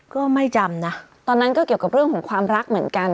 ก็ไม่จำนะตอนนั้นก็เกี่ยวกับเรื่องของความรักเหมือนกัน